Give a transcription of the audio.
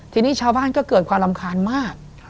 ทีนี้ชาวบ้านก็เกิดความรำคาญมาก